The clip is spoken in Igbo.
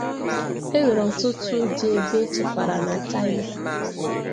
E nwere ọtụtụ ụdị ebe echekwara na China.